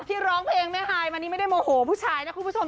ร้องเพลงแม่ฮายมานี่ไม่ได้โมโหผู้ชายนะคุณผู้ชม